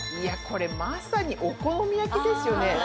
これまさにお好み焼きですよね